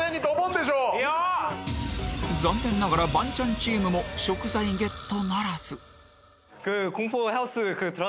残念ながらバンチャンチームも食材ゲットならず